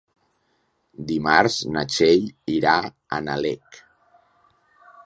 Dimarts na Txell irà a Nalec.